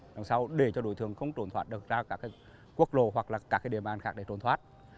đằng sau để cho đối tượng không trốn thoát được ra các quốc lộ hoặc là các địa bàn khác để trốn thoát